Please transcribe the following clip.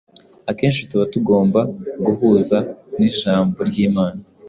akenshi tuba tugomba kuguhuza n’Ijambo ry’Imana.